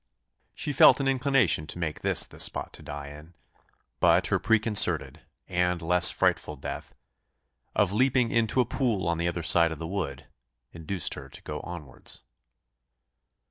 She felt an inclination to make this the spot to die in; but her preconcerted, and the less frightful death, of leaping into a pool on the other side of the wood, induced her to go onwards.